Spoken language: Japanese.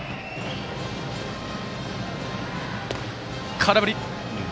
空振り。